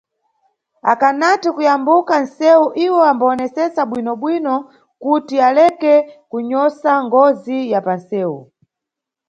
Akanati Kuyambuka nʼsewu iwo ambawonesesa bwinobwino kuti aleke kunyosa ngozi ya panʼsewu.